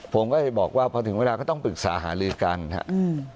ผมก็จะบอกว่าพอถึงเวลาก็ต้องปรึกษาหาลือกันครับ